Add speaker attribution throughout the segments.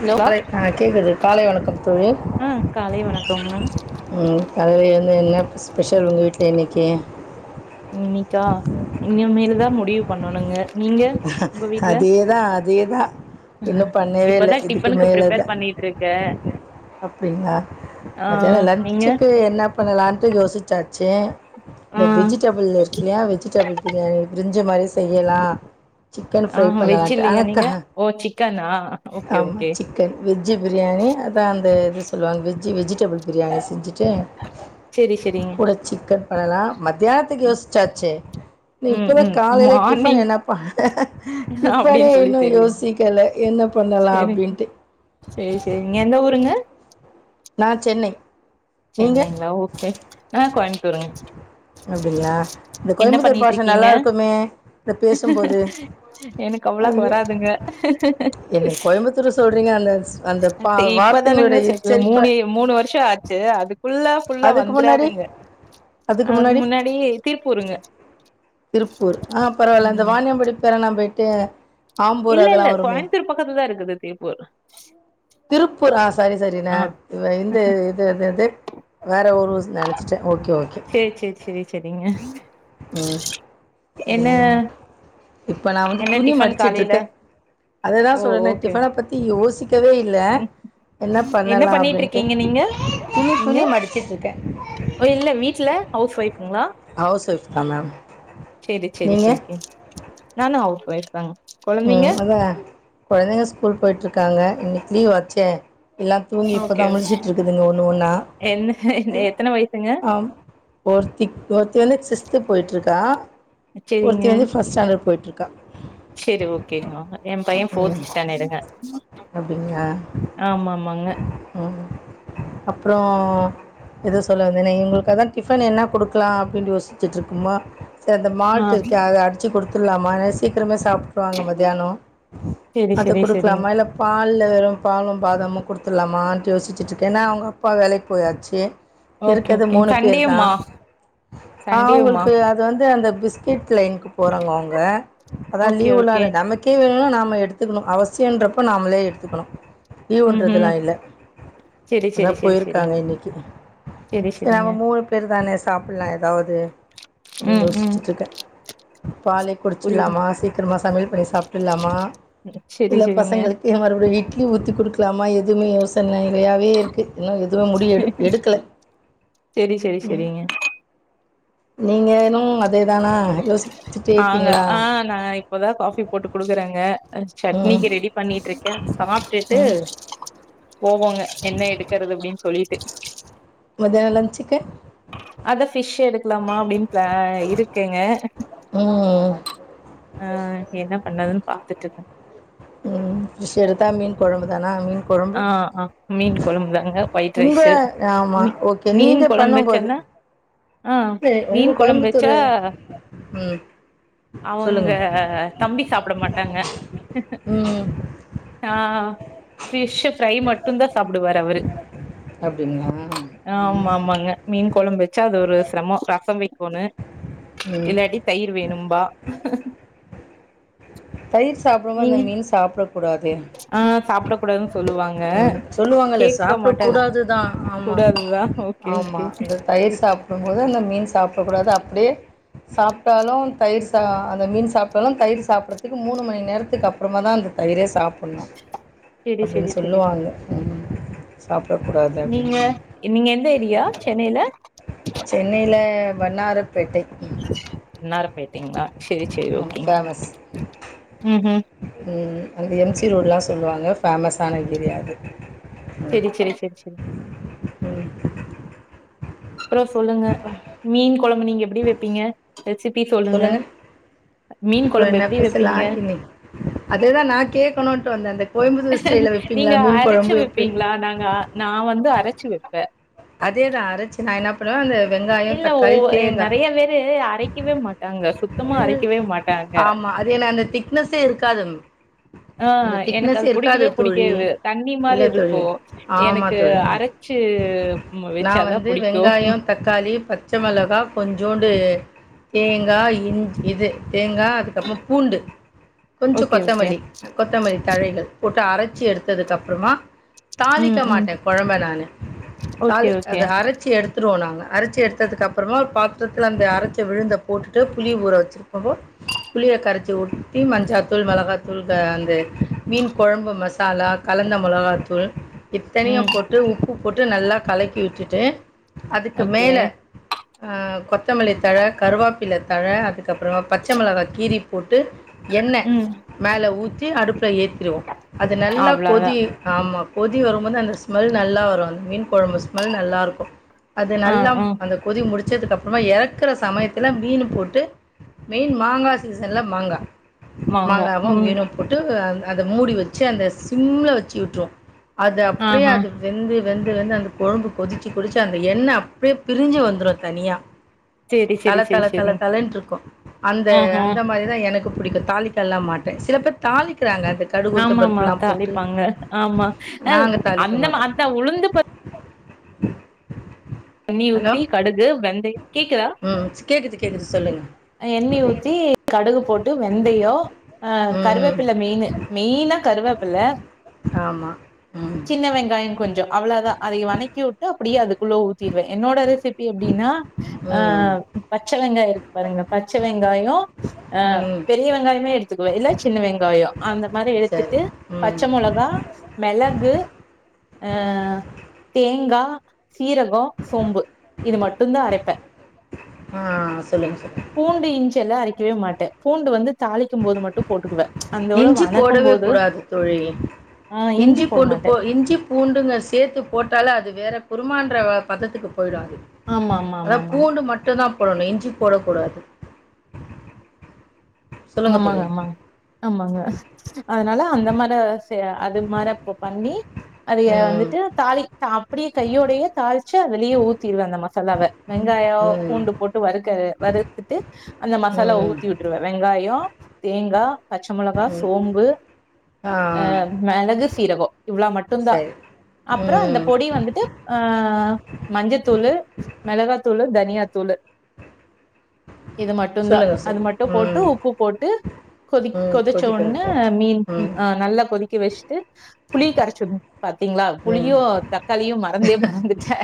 Speaker 1: Hello
Speaker 2: அலெ அலெ கேட்குது காலை வணக்கம் தோழி
Speaker 1: ஆ காலை வணக்கம்ங்க
Speaker 2: காலல எழுந்து என்ன ஸ்பெஷல் உங்க வீட்ல இன்னைக்கி
Speaker 1: இன்னிக்கா இனி மேலதா முடிவு பண்ணணுங்க நீங்க உங்க வீட்ல
Speaker 2: இதேதா இன்னு பண்ணவேல
Speaker 1: இப்பதா
Speaker 2: இதுக்கு
Speaker 1: டிஃபனுக்கு ப்ரிப்பேர்
Speaker 2: மேலேதா
Speaker 1: பண்ணிட்ருக்க
Speaker 2: அப்டிங்களா
Speaker 1: ஆ
Speaker 2: மத்தியானோ
Speaker 1: நீங்க
Speaker 2: லன்சுக்கு என்ன பண்ணலான்ட்டு யோசிச்சாச்சு
Speaker 1: ஆ
Speaker 2: இந்த வெஜிடபிள் இருக் ஏ வெஜிடபிள் பிரியாணி பிரிஞ்சு மாரி செய்யலா சிக்கன்
Speaker 1: ஆ
Speaker 2: ஃப்ரை
Speaker 1: வெஜ்
Speaker 2: பண்ணலாட்டு அனா
Speaker 1: இல்லையா
Speaker 2: க
Speaker 1: நீங்க ஓ சிக்கனா ஓகே
Speaker 2: ஆமா
Speaker 1: okay
Speaker 2: chicken veg biryani அதா அந்த இது சொல்லுவாங்க வெஜ்ஜு வெஜிடபிள் பிரியாணி செஞ்சுட்டு
Speaker 1: செரி செரிங்க
Speaker 2: கூட சிக்கன் பண்ணலா மத்தியானத்துக்கு யோசிச்சாச்சு நீ
Speaker 1: ம்
Speaker 2: இப்பதா
Speaker 1: ம்
Speaker 2: காலையில டிஃபன்
Speaker 1: மார்னிங்
Speaker 2: என்ன ப இப்பா என்ன
Speaker 1: அப்டின் சொல்லி
Speaker 2: இன்னு
Speaker 1: தெர்லீங்
Speaker 2: யோசிக்கல என்ன பண்ணலா அப்டின்ட்டு
Speaker 1: சேரி சேரி நீங்க எந்த ஊருங்க
Speaker 2: நா சென்னை நீங்கள்
Speaker 1: சென்னைங்களா ஓகே நா கோயம்புத்தூருங்
Speaker 2: அப்டிங்களா இந்த கோயம்புத்தூர் பாஷ நல்லா இருக்குமே இத பேசும்போது
Speaker 1: எனக்கு அவ்வளாக்கு
Speaker 2: அந்த
Speaker 1: வராதுங்க
Speaker 2: என்ன கோயம்புத்தூர் சொல்கிறீங்க அந்த அந்த
Speaker 1: அ
Speaker 2: பா
Speaker 1: இப்பதானுங்க
Speaker 2: வார்த்தைங்களோட
Speaker 1: செட்ல
Speaker 2: எச்சரிப்பை
Speaker 1: மூணு மூணு வருஷோ ஆச்சு அதுக் ஃபுல்லா ஃபுல்லா
Speaker 2: அதுக்கு முன்னாடி
Speaker 1: வந்துராதுங்க அதுக்கு முன்னாடி திருப்பூருங்க
Speaker 2: திருப்பூர் ஆ பரவால்ல அந்த
Speaker 1: ம்
Speaker 2: வாானியம்படி பேர நா போயிட்டு ஆம்பூர்
Speaker 1: இல்ல இல்ல
Speaker 2: அதெல்லாம் வருமே
Speaker 1: கோயமுத்தூர் பக்கத்துதா இருக்குது திருப்பூர்
Speaker 2: திருப்பூர் ஆ சாரி சாரி நா
Speaker 1: ஆ
Speaker 2: வ இந்து அது அது அது வேற ஒரு நெனைச்சுட்டே ஓகே ஓகே
Speaker 1: சேரி சேரி செரி
Speaker 2: ம்
Speaker 1: என்ன
Speaker 2: இதுலயு இப்ப நா வந்து
Speaker 1: என்ன
Speaker 2: துணி
Speaker 1: டிஃபன் காலையில
Speaker 2: மடிச்சுட்ருக்கே அததா
Speaker 1: ஓ
Speaker 2: சொல்றேனே
Speaker 1: ஓகே
Speaker 2: டிஃபன பத்தி யோசிக் க்கவே இல்ல
Speaker 1: ம்
Speaker 2: என்ன பண்ணலா
Speaker 1: பண்ணிட்டு
Speaker 2: அப்டின்ட்டு
Speaker 1: இருக்கீங்க நீங்க
Speaker 2: துணி
Speaker 1: நீங்க
Speaker 2: துணி மடிச்சுட்டு இருக்கே
Speaker 1: ஓ இல்ல வீட்ல ஹவுஸ் ஒய்ஃபுங்களா
Speaker 2: ஹவுஸ் ஒய்ஃப் தான் மேம்
Speaker 1: செரி செரி செரி
Speaker 2: நீங்கள்
Speaker 1: கு நானு ஹவுஸ் ஒயிஃப்தாங்க
Speaker 2: ம் அதா கொழந்தைங்க ஸ்கூல் போயிட்ருக்காங்க இன்னிக்கு லீவ் ஆச்சே எல்லா தூங்கி இப்போ தா
Speaker 1: ஓகே
Speaker 2: முழச்சுட்டு இருக்குதுங்க ஒன்னு ஒன்னா
Speaker 1: என்ன
Speaker 2: இ
Speaker 1: எத்தன வயசுங்க
Speaker 2: ஆ ஒருத்தி ஒருத்தி வந்து சிக்ஸ்த்து போயிட்ருக்கா
Speaker 1: சேரிங்க
Speaker 2: ஒருத்தி வந்து ஃபஸ்ட் ஸ்டாண்டட் போயிட்ருக்
Speaker 1: செரி ஓகேங்க எ பைய ஃபோர்த்து ஸ்டாண்டடுங்க
Speaker 2: அப்டிங்ளா
Speaker 1: [inaudible]
Speaker 2: அப்றோ எதுவு சொல்ல வந்தேன இங்களுக்கு அதா டிஃபன் என்ன குடுக்கலா அப்டின் யோசிச்சுட்ருக்குமா சர் இந்த
Speaker 1: ஆ
Speaker 2: மால்ட் இருக்கே அத அடிச்சி குடுத்துடலாமான சீக்கிரமா சாப் வாங்க மதியானோ
Speaker 1: செரி
Speaker 2: அத
Speaker 1: செரி செரிங்
Speaker 2: குடுக்கலாமா இல்ல பால்ல வெறு பாலு பாதமு குடுத்துலாமான்டு யோசிச்சிட்டுருக்கே ஏனா அவங்க அப்பா வேலைக்கு போயாச்சி
Speaker 1: ஓகே
Speaker 2: இருக்கது
Speaker 1: ஓகேங்
Speaker 2: மூணு பேருதா
Speaker 1: சண்டேவுமா சண்டேவுமா
Speaker 2: அவ்ங்களுக்கு அத வந்து அந்த பிஸ்கெட் லேன்க்கு போறாங்க அவ்ங்க அதா
Speaker 1: ஓகே
Speaker 2: லீவுனால
Speaker 1: ஓகே
Speaker 2: நமக் கே வேணும்னா நாம எடுத்துக்கணு அவசியன்றப்போ நாமளே எடுத்துக்கணு
Speaker 1: ம் ம்
Speaker 2: ஈவ்ன்றதுனால்ல
Speaker 1: செரி
Speaker 2: அதா
Speaker 1: செரி செரி செரி
Speaker 2: போயிருக்காங்க இன்னைக்கி
Speaker 1: செரி
Speaker 2: சேவ
Speaker 1: செரிங்க
Speaker 2: நம்ம மூணு பேரு தானே சாப்பில்லா ஏதாவது அப்டின்னு
Speaker 1: ம் ம்
Speaker 2: யோசிச்சிட்டு இருக்க பாலை
Speaker 1: புரியுது
Speaker 2: குடிச்சிட்லாமா சீக்கிரமா சமையல் பண்ணி சாப்டிர்லாமா
Speaker 1: செரி செரிங்க
Speaker 2: எ மறுபடியடி இட்லி ஊத்தி குடுக்கலாமா எதுவமே யோசனைலையாவே இருக்கு இன்னு எது து முடில எடு எடுக்கல
Speaker 1: செரி செரி
Speaker 2: ம்
Speaker 1: செரிங்க
Speaker 2: நீங்கனு அதே தானா யோஸ்
Speaker 1: ஆங்க ஆ நா இப்போதா காஃபி போட்டு குடுக்குறேங்க ஜட்னிக்கு
Speaker 2: ம்
Speaker 1: ரெடி பண்ணிட்டுருக்கே சாப்டுட்டு
Speaker 2: ம்
Speaker 1: போவோங்க என்ன எடுக்கிறது அப்டின்னு சொல்லி [unintelligible]
Speaker 2: மேதர்லா சிக்க
Speaker 1: அத பிஷ் எடுக்கலாமா அப்டின்னு ப்ளா இருக்கேங்க
Speaker 2: ம் ம்
Speaker 1: ஆ என்ன பண்ணதுன்னு பாத்துட் இருக்கே
Speaker 2: ம் ஃபிஷ் எடுத்தா மீன் குழம்பு தானா மீன் குழம்பு
Speaker 1: ஆ ஹ மீன் குழம்புதாங்க ஒயிட்
Speaker 2: உங்க
Speaker 1: ரைஸூ
Speaker 2: ஆமா ஓகே
Speaker 1: மீன்
Speaker 2: நீங்க
Speaker 1: குழம்பு
Speaker 2: பண்ணும்போது
Speaker 1: வெச்சன்னா ஆ
Speaker 2: ஏய்
Speaker 1: மீன்
Speaker 2: உங்க
Speaker 1: கொழம்பு வெச்சா
Speaker 2: கோயம்புத்தூரு ம்
Speaker 1: அவங்க
Speaker 2: சொல்லுங்க
Speaker 1: தம்பி சாப்ட மாட்டாங்க
Speaker 2: ம்
Speaker 1: ஆ பிஷ் ஃப்ரை மட்டு தா சாப்பிடுவாரு அவரு
Speaker 2: அப்டிங்களா ம்
Speaker 1: ஆமா ஆமாங்க மீன் கொழம்பு வச்சு அது ஒரு சிரமோ ரசம் வெக்கோணு
Speaker 2: ம்
Speaker 1: இல்லாட்டி தயிர் வேணும்பா
Speaker 2: தயிர் சாப்பிடும் அந்த
Speaker 1: நீங்க
Speaker 2: மீன் சாப்டக் கூடாதே
Speaker 1: ஆ சாப்ட கூப்டாதனு சொல்லுவாங்க
Speaker 2: சொல்லுவாங்கல்ல
Speaker 1: கேக்க மாட்டாரு
Speaker 2: சாப்பிடக்கூடாது தா ஆமா
Speaker 1: கூடாதுதா ஓகே
Speaker 2: ஆமா
Speaker 1: ஓகே
Speaker 2: அந்த தயிர் சாப்டும்போது அந்த மீன் சாப்டக்கூடாது அப்டியே சாப்டாலு தயிர் சா அந்த மீன் சாப்டாலு தயிர் சாப்பிட்றதுக்கு மூணு மணி நேரத்துக்கு அப் ப்றமா தா அந்த தயிரே சாப்புட்ணு
Speaker 1: செரி
Speaker 2: அப்டின்னு
Speaker 1: செரி செரி
Speaker 2: சொல்லுவாங்க
Speaker 1: செரி
Speaker 2: சாப்டக்கூடாது
Speaker 1: நீங்க நீங்க எந்த ஏரியா சென்னையில
Speaker 2: சென்னையில வன்னாரப்பேட்டை
Speaker 1: வன்னாரப்பேட்டைங்ளா செரி செரி
Speaker 2: ஆமா
Speaker 1: ஓகேங்
Speaker 2: ஃபேமஸ்
Speaker 1: ம் ம்
Speaker 2: ம் அந்த எம் சி ரோடுனு தா சொல்லுவாங்க ஃபேமஸான ஏரியா அது ம்
Speaker 1: செரி செரி செரி செரி
Speaker 2: ம்
Speaker 1: அப்றோ சொல்லுங்க மீன் குழம்பு நீங்க எப்டி வைப்பீங்க ரெசிபி சொல்லுங்க மீன் குழம்பு எப்டி வைப்பீங்க
Speaker 2: அதேதா நா கேக்கணுன்ட்டு வந்தே அந்த கோயம்புத்தூர் ஸ்டைல்ல வைப்பீங்களா மீன் குழம்பு எப்டி
Speaker 1: ஆ நாங்கா நா வந்து அரச்சு வைப்பே
Speaker 2: அதேதா அரச்சு நா என்ன பண்ணுவே அந்த வெங்காயோ தக்காளி தேங்கா
Speaker 1: சில வேரு அரைக்கவே மாட்டாங்க சுத்தமா அரைக்கவே மாட்டாங்க
Speaker 2: ஆமாம் அது என்ன அந்த திக் க்னஸே இருக்காது ம்
Speaker 1: ஆ எனக்கு அது புடிக்கவே
Speaker 2: தோழி
Speaker 1: புடிக்காது தண்ணி மாரி
Speaker 2: இல்லை தோழி
Speaker 1: இருக்கு எனக்கு
Speaker 2: ஆமாம் தோழி
Speaker 1: அரச் சு
Speaker 2: நான்
Speaker 1: வச்சாதா
Speaker 2: வந்து
Speaker 1: புடிக்கு
Speaker 2: வெங்காயம் தக்காளி பச்ச மொளகா கொஞ்சோண்டு தேங்காய் இஞ் இது தேங்கா அதுக்கப்றோ பூண்டு கொஞ்சோ
Speaker 1: ஓகே, ஓகே.
Speaker 2: கொத்தமல்லி கொத்தமல்லி தழைகள் போட்டு அரச்சி எடுத்ததுக்கு அப்புறமா தாளிக்க
Speaker 1: ம், ம்.
Speaker 2: மாட்டே குழம்ப நானு
Speaker 1: ஓகே,
Speaker 2: தாளி
Speaker 1: ஓகே.
Speaker 2: அத அரச்சி எடுத் எடுத்துருவோ நாங்க அரச்சி எடுத்ததுக்கப்றமா பாத்தரத்துல அந்த அரச்ச விழுந்த போட்டுட்டு புளி ஊர வச்சுருக்கவோ புளிய கரச்சு ஊத்தி மஞ்சாத்தூள் மிளகாத்தூள் அந்த மீன் குழம்பு மசாலா கலந்த மொளகாத்தூள் இத்தனையு
Speaker 1: ம்.
Speaker 2: போட்டு உப்பு போட்டு நல்லா கலக்கி விட்டுட்டு அதுக்கு
Speaker 1: ஓகே.
Speaker 2: மேல கொத்தமல்லி தழ கருவாப்பில்ல தழ அதுக்கப்புறமா பச்ச மொளகா கீரி போட்டு எண்ணெ
Speaker 1: ம்.
Speaker 2: மேலே ஊத்தி அடுப்புல ஏத்திருவோ அது நல்லா கொதி
Speaker 1: அவ்வளதான்.
Speaker 2: ஆமா கொதி வரும்போது அந்த ஸ்மெல் நல்லா வரு அந்த மீன் குழம்பு ஸ்மெல் நல்லா இருக்கு அது
Speaker 1: ஆ,
Speaker 2: நல்லா
Speaker 1: ஆ.
Speaker 2: அந்த கொதி முடிச்சதுக்கு அப்புறமா எறக்குற சமயத்துல மீன் போட்டு மெயின் மாங்கா சீசன்ல மாங்கா
Speaker 1: மாங்கா.
Speaker 2: மாங்காவு
Speaker 1: ம்.
Speaker 2: மீனு போட்டு அத மூடி வச்சு அந்த சிம்முல வெச்சு விட்ருவோ அது அப்டியே
Speaker 1: ஆஹா.
Speaker 2: அது வெந்து வெந்து வெந்து அந்த கொழும்பு கொதிச்சு கொதிச்சு அந்த எண்ணெ அப்டியே பிரிஞ்சு வந்துரு தனியா
Speaker 1: செரி செரி செரி செரிங்
Speaker 2: தலன்ருக்கு அந்த அந்த மாரி எனக்கு பிடிக்கு தாளிக்கல்லா மாட்டே சில பேர் தாளிக்கிறாங்க அது
Speaker 1: ஆமா ஆமா தாளிப்பாங்க ஆமா அ
Speaker 2: நாங்கள் தாளிக்க
Speaker 1: அந்த
Speaker 2: மாட்டோம்
Speaker 1: மாரிதா உளுந்து பருப்
Speaker 2: [inaudible]
Speaker 1: தண்ணி ஊத்தி கடுகு வெந்தையோ கேக்குதா
Speaker 2: கேக்குது சொல்லுங்க
Speaker 1: எண்ணைய ஊத்தி கடுகு போட்டு வெந்தையோ ஆ
Speaker 2: ம்
Speaker 1: கருவேப்பில மெயினு மெய்னா கருவேப்பில
Speaker 2: ஆமா ம்
Speaker 1: சின்ன வெங்காயோ கொஞ்சோ அவ்ளதா அத வணக்கி விட்டு அப்படியே அதுக்குள்ளே ஊத்திடுவே என்னோட ரெசி ப்பி அப்டின்னா ஆ
Speaker 2: ம்
Speaker 1: பச்ச வெங்காயோ இருக்கு பாருங்க பச்ச வெங்காயோ ஆ
Speaker 2: ம்
Speaker 1: பெரிய வெங்காயமே எடுத்துக்குவே இல்ல சின்ன வெங்காயோ அந்த மாரி
Speaker 2: சரி
Speaker 1: எடுத்துட்டு பச்ச
Speaker 2: ம்
Speaker 1: மொளகா மெளகு ஆ தேங்கா சீரகோ சோம்பு இது மட்டுந்தா அரைப்பே
Speaker 2: ஆ சொல்லுங்கள் சொல்லுங்கள்
Speaker 1: பூண்டு இஞ்செல்லா அரைக்கவே மாட்டே பூண்டு வந்து தாளிக்கும் போது மட்டு போட்டுக்குவே அந்தோட
Speaker 2: இஞ்சி
Speaker 1: வணக்கும்
Speaker 2: போடவே
Speaker 1: போது
Speaker 2: கூடாது தோழி
Speaker 1: ஆ இஞ்சி போட
Speaker 2: பூண்டு
Speaker 1: மாட்டே
Speaker 2: போ இஞ்சி பூண்டுங்க சேத்து போட்டாலே அது வேறு குருமான்ற பதத்துக்கு போய்டு அது
Speaker 1: ஆமா ஆமா
Speaker 2: அதா
Speaker 1: ஆமா ஆமாங்க
Speaker 2: பூண்டு மட்டு தா போடணு இஞ்சி போடக் கூடாது சொல்லுங்க
Speaker 1: ஆமாங்க
Speaker 2: தோழி
Speaker 1: ஆமாங்க ஆமாங்க அதனால அந்த மாரி அது மார அப்ப பண்ணி அது
Speaker 2: ம்
Speaker 1: வந்துட்டு தாளி அப்படியே கையோடையே தாளிச்சு அதுலேயே ஊத்திருவே அந்த மசாலாவ வெங்காயோ
Speaker 2: ம்
Speaker 1: பூண்டு போட்டு வறுக்க வறுத்துட்டு அந்த மசாலா
Speaker 2: ம்
Speaker 1: ஊத்தி விட்டுருவே வெங்கா யோ தேங்கா பச்ச மொளகா
Speaker 2: ம்
Speaker 1: சோம்பு
Speaker 2: ஆ
Speaker 1: அ மெளகு சீரகோ இவ்ளோ மட்டுந்தா
Speaker 2: சரி
Speaker 1: அப்புறோ அந்த
Speaker 2: ம்
Speaker 1: பொடி வந்துட்டு அ ஆ மஞ்சத்தூளு மிளகாத்தூளு தனியாத்தூளு இது மட்டுந்தா
Speaker 2: சொல்லுங்க
Speaker 1: அது
Speaker 2: சொல்லுங்க
Speaker 1: மட்டு போட்டு
Speaker 2: ம்
Speaker 1: உப்பு போட்டு கொதிக்
Speaker 2: ம்
Speaker 1: கொதிச்ச
Speaker 2: கொதிக்க
Speaker 1: ஓண்ணே
Speaker 2: விட்டாச்சு
Speaker 1: மீன்
Speaker 2: ம்
Speaker 1: அ நல்லா கொதிக்க வெச்சுட்டு புளிய கரைச்சுர்னு பாத்தீங்களா
Speaker 2: ம்
Speaker 1: புளியு தக்காளியு மறந்தே மறந்துட்டே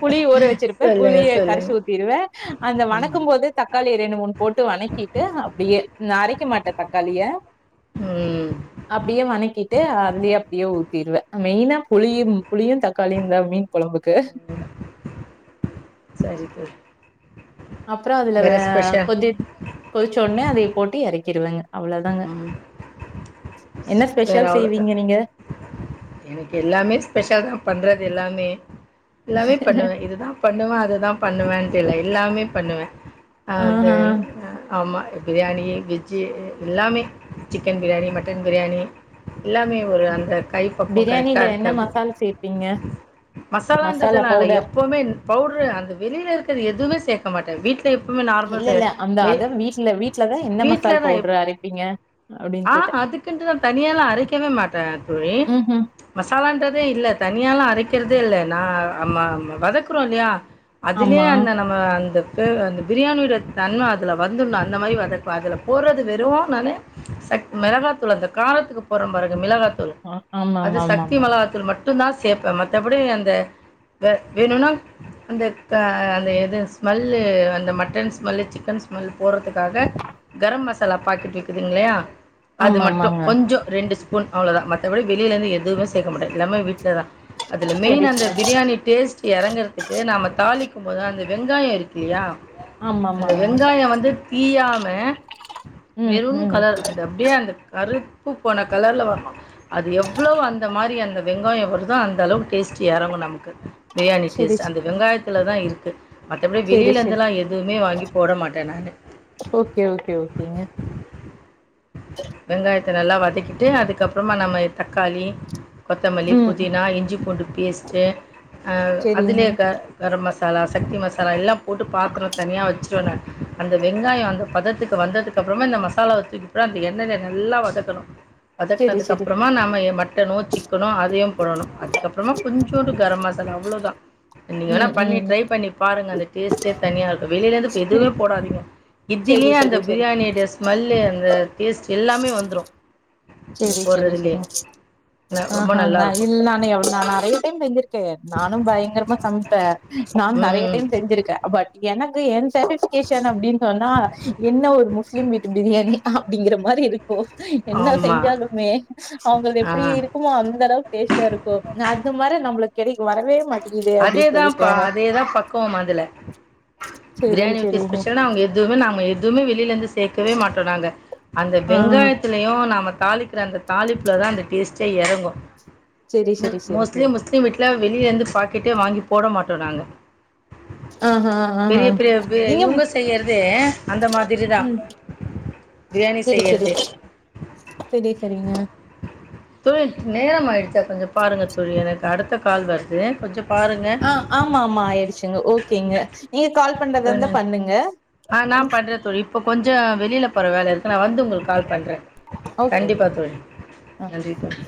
Speaker 1: புளிய ஊற வச்சிருப்பே
Speaker 2: சொல்லுங்க
Speaker 1: புளிய கரைச்சி
Speaker 2: சொல்லுங்க
Speaker 1: ஊத்திருவே அந்த
Speaker 2: ம்
Speaker 1: வணக்கும் போது தக்காளிய ரெண்டு மூணு போட்டு வணக்கிட்டு அப்டியே நா அரைக்க மாட்டே தக்காளிய
Speaker 2: ம்
Speaker 1: அப்டியே வணக்கிட்டு அதுலயே அப்டியே ஊத்திருவே மெயினா புளியு புளியு தக்காளியு தா மீன் கொழம்புக்கு
Speaker 2: சரி தோழி
Speaker 1: அப்புறோ அதுல வ
Speaker 2: வேற ஸ்பெஷல்
Speaker 1: கொதி கொதிச்சோன்னே அதை போட்டு இறக்கிறுவங்க அவ்ளதாங்க
Speaker 2: ம்
Speaker 1: என்ன
Speaker 2: வேற
Speaker 1: ஸ்பெஷல் செய்வீங்க
Speaker 2: அவ்வளோதான்
Speaker 1: நீங்க
Speaker 2: எனக்கு எல்லாமே ஸ்பெஷல் தா பண்றது எல்லாமே எல்லாமே பண்ணுவே இதுதா பண்ணுவே அதுதா பண்ணுவேண்டு இல்ல எல்லாமே பண்ணுவே அது
Speaker 1: ஆஹா.
Speaker 2: ஆமா பிரியாணி வெஜ்ஜூ எல்லாமே சிக்கன் பிரியாணி மட்டன் பிரியாணி எல்லாமே ஒரு அந்த கை கரெக்டா
Speaker 1: பிரியாணில என்ன
Speaker 2: இருக்கு அப்படி
Speaker 1: மசால் சேர்ப்பீங்க? மசாலா
Speaker 2: மசாலான்றதுனால எப்
Speaker 1: பவுடர்.
Speaker 2: எப்பவுமே பவுடரு அந்த வெளியில இருக்கிறது எதுமே சேக்க மாட்டே வீட் ட்ல எப்பவுமே நார்மலா
Speaker 1: இல்ல, இல்ல. அந்த
Speaker 2: செய்
Speaker 1: அதான் வீட்ல வீட்ல தான் என்ன மசால்
Speaker 2: வீட்லதா
Speaker 1: பவுடர் அரைப்பீங்க? அப்படின்னு
Speaker 2: ஆ
Speaker 1: கேட்டேன்.
Speaker 2: அதுக்குன்ட்டு நா தனியா எல்லா அரைக்கவே மாட்டே தோழி
Speaker 1: ம்ஹ்ம்.
Speaker 2: மசாலன்றதே இல்ல தனியாலா அரைக்கிறதே இல்ல நாம் வதக்குறோ இல்லயா அதுலே
Speaker 1: ஆமா.
Speaker 2: அந்த நம் அந்த அந்த பிரியாணியோட தன்மை அதுல வந்துட்ணு அந்த மாதிரி வதக்கனு அதுல போடுறது வெறு நானு சக் மிளகாத்தூள் அந்த காரத்துக்கு போடுறோ பாருங்க மிளகாத்தூள்
Speaker 1: அ ஆம்
Speaker 2: அது சக்தி மிளகாத்தூள் மட்டுந்தா சேப்பே மத்தபடி அந்த வே வேணுனா அந்த அந்த எது ஸ்மெல்லு அந்த மட்டன் ஸ்மெல்லு சிக்கன் ஸ்மெல் போறதுக்காக கரம் மசாலா பாக்கெட்டு இருக்குதுங்ளையா அது மட்டும்
Speaker 1: ஆமாமாங்க.
Speaker 2: கொஞ்சோ ரெண்டு ஸ்பூன் அவ்ளவுதா மத்தபடி வெளியில இருந்து எதுவுமே சேக்க மாட்டே எல்லாமே வீட்டுலதா அதுல மெயின்
Speaker 1: சரி,
Speaker 2: அந்த
Speaker 1: சரி.
Speaker 2: பிரியாணி டேஸ்ட் இறங்கறதுக்கு நாம தாளிக்கும் போது அந்த வெங்காயோ இருக் இல்லையா அந்த
Speaker 1: ஆமாமாங்க.
Speaker 2: வெங்காயோ வந்து தீயாம
Speaker 1: ம்
Speaker 2: மெரூன்
Speaker 1: ம்
Speaker 2: கலர் அந்த அப்டியே அந்த கருத்து போன கலர்ல வரணு அது எவ்ளோ அந்த மாறி அந்த வெங்காயோ வருதோ அந்த அளவுக்கு டேஸ்ட்டு இறங்கு நமக்கு பிரியாணி
Speaker 1: சரி,
Speaker 2: டேஸ்ட்ட்டு
Speaker 1: சரி.
Speaker 2: அந்த வெங்காயத்தில தா இருக்கு மத்தபடி
Speaker 1: சரி,
Speaker 2: வெளியில
Speaker 1: சரி.
Speaker 2: இருந்துலா எதுவுமே வாங்கி போட மாட்டே நானு
Speaker 1: ஓகே ஓகே ஓகேங்க
Speaker 2: வெங்காயத்த நல்லா வதக்கிட்டு அதுக்கப்புறமா நம்ம தக்காளி கொத்தமல்லி
Speaker 1: ம்.
Speaker 2: புதினா இஞ்சி பூண்டு பேஸ்டு
Speaker 1: சரிங்க.
Speaker 2: அதுலே க கர மசாலா சக்தி மசாலா எல்லா போட்டு பாத்திரோ தனியா வச்சுருவே நா அந்த வெங்காயோ அந்த பதத்துக்கு வந்ததுக் அதுக் அப்றமா இந்த மசாலாவ தூக்கிபுற இந்த எண்ணெய்ல நல்லா வதக்கணு
Speaker 1: சரி,
Speaker 2: வதக்கனதுக்கு
Speaker 1: சரி.
Speaker 2: அப்றோமா நாம மட்டனோ சிக்க கனோ அதையும் போடணு அதுக்கப்புறமா கொஞ்சோண்டு கர மசாலா அவ்ளோதா நீங்க வேணா
Speaker 1: ம்,
Speaker 2: பண்ணி
Speaker 1: ம்.
Speaker 2: ட்ரை பண்ணி பாருங்க அந்த டேஸ்ட்டே தனியா இருக்கு வெளியில இருந்து எதுவுமே போடாதீங்க
Speaker 1: சரி,
Speaker 2: இதுலயே அந்த
Speaker 1: சரி, சரி.
Speaker 2: பிரியாணி ஒடைய ஸ்மெல்லு அந்த டேஸ்ட் எல்லாமே வந்துரு
Speaker 1: சரி சரி சரிங்
Speaker 2: ந ரொம்ப
Speaker 1: ஆஹ நா இ
Speaker 2: நல்லாருக்கும்.
Speaker 1: நான எவ்ளோ நா நிறையா டைம் செஞ்சிருக்கே நானு பயங்கரமா சமைப்பே நானு நிறைய
Speaker 2: ம்.
Speaker 1: டைம் செஞ்சிருக்கே பட் எனக்கு என் செபஸ்டிகேஷன் அப்டின்னு சொன்னா என்ன ஒரு முஸ்லிம் வீட்டு பிரியாணி அப்படிங்கற மாதிரி இரு ஓ என்ன
Speaker 2: ஆமா.
Speaker 1: செஞ்சாலுமே அவங்க அது
Speaker 2: ஆ.
Speaker 1: எப்டி இருக்குமோ அந்த அளவுக்கு டேஸ்ட்டா இருக்கு அத்து மாறி நம்மளுக்கு கெடைக்க வரவே மாட்டேங்குதே அப்டின்னு
Speaker 2: அதேதா
Speaker 1: சொல்லி
Speaker 2: பா
Speaker 1: தோணு
Speaker 2: அதேதா பக்குவம் அதுல
Speaker 1: செரி
Speaker 2: பிரியாணியோடய
Speaker 1: செரிங்க
Speaker 2: ஸ்பெஷல் அவங்க எதுவுமே நாங்க எதுவுமே வெளியில இருந்து சேர்க்கவே மாட்டோ நாங்க அந்த
Speaker 1: ஆ
Speaker 2: வெங்காயத்துலயு நாம்ம தாளிக்கிற அந்த தாளிப்புல தா அந்த டேஸ்ட்டே எறங்கு
Speaker 1: செரி செரி செரி
Speaker 2: மோஸ்ட்லி
Speaker 1: செரி
Speaker 2: முஸ்லிம் வீட்டுல வெளியில இருந்து பாக்கெட்டே வாங்கி போட மாட்டோ நாங்க
Speaker 1: ஆஹா ஆஹா
Speaker 2: பெரிய பெரிய
Speaker 1: நீங்க
Speaker 2: இவ்ங்க செய்றதே அந்த மாதிரி தா
Speaker 1: ம் செரி செரி செரி சரிங்க
Speaker 2: தோழி நேரம் ஆயிடுச்சா கொஞ்சோ பாருங்க தோழி எனக்கு அடுத்த கால் வருது கொஞ்சோ பாருங்
Speaker 1: ஆ ஆமா ஆமா ஆயிடுச்சுங்க ஓகேங்க நீங்க கால் பண்றதா
Speaker 2: தோழி
Speaker 1: இருந்தா
Speaker 2: நன்றி
Speaker 1: பண்ணுங்க
Speaker 2: ஆ நா பண்ற தோழி இப்ப கொஞ்சோ வெளியில போற வேலை இருக்கு நா வந்து உங்களுக்கு கால் பண்றே
Speaker 1: ஓகேங்க
Speaker 2: கண்டிப்பா தோழி நன்றி தோழி